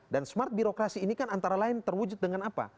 dan smart birokrasi ini kan antara lain terwujud dengan apa